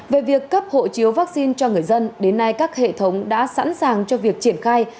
về việc cấp hộ chiếu vaccine cho người dân đến nay các hệ thống đã sẵn sàng cho việc triển khai